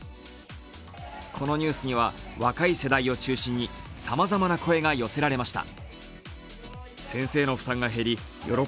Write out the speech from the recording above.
このニュースには若い世代を中心にさまざまな声が寄せられました。